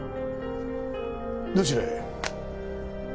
どちらへ？